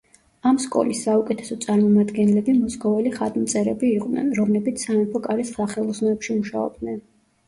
ამ სკოლის საუკეთესო წარმომადგენლები მოსკოველი ხატმწერები იყვნენ, რომლებიც სამეფო კარის სახელოსნოებში მუშაობდნენ.